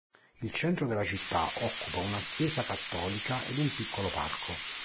Il centro della città occupa una chiesa cattolica ed un piccolo parco.